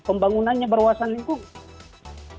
pembangunannya berwawasan lingkungan